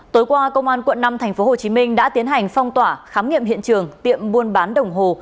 tối qua công an quận năm tp hcm đã tiến hành phong tỏa khám nghiệm hiện trường tiệm buôn bán đồng hồ